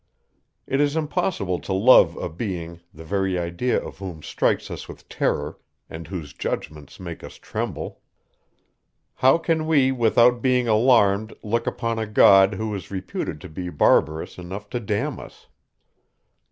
It is impossible to love a being, the very idea of whom strikes us with terror, and whose judgments make us tremble. How can we, without being alarmed, look upon a God, who is reputed to be barbarous enough to damn us?